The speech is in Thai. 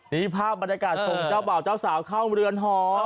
นี่ภาพบรรยากาศส่งเจ้าบ่าวเจ้าสาวเข้าเมืองหอ